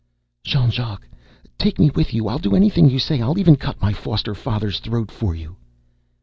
"Jean Jacques, take me with you! I'll do anything you say! I'll even cut my foster father's throat for you!"